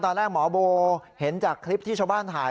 ตอนแรกหมอโบเห็นจากคลิปที่ชาวบ้านถ่าย